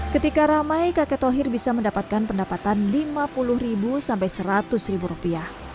ketika ramai kakek tohir bisa mendapatkan pendapatan lima puluh sampai seratus rupiah